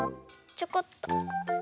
ちょこっと。